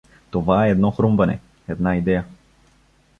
Това е едно хрумване, една идея.